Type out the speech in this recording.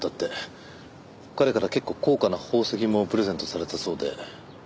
彼から結構高価な宝石もプレゼントされたそうで。